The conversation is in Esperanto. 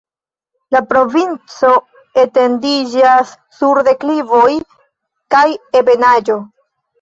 La provinco etendiĝas sur deklivoj kaj ebenaĵo.